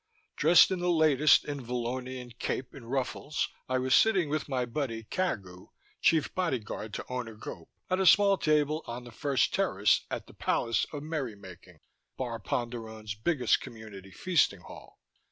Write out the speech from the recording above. Dressed in the latest in Vallonian cape and ruffles, I was sitting with my buddy Cagu, Chief Bodyguard to Owner Gope, at a small table on the first terrace at the Palace of Merrymaking, Bar Ponderone's biggest community feasting hall.